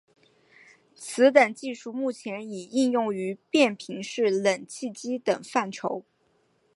此等技术目前已应用于变频式冷气机等范畴。